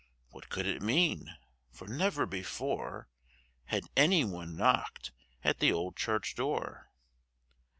What could it mean? for never before Had any one knocked at the old church door.